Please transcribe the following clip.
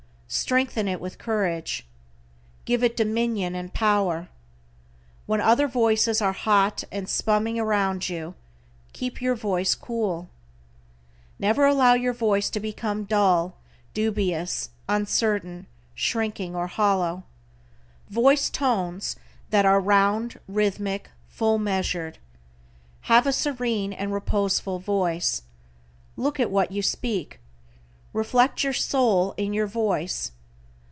Strengthen it with courage. Give it dominion and power. When other voices are hot and spuming around you, keep your voice cool. Never allow your voice to become dull, dubious, uncertain, shrinking, or hollow. Voice tones that are round, rhythmic, full measured. Have a serene and reposeful voice. Look at what you speak. Reflect your soul in your voice.